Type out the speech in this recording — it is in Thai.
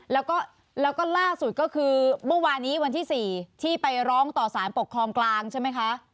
แล้วก็ล่าสุดก็คือเมื่อวานี้วันที่๔ที่ไปร้องต่อสารปกครองกลางใช่ไหมคะ